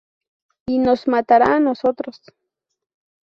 Y nos matará a nosotros.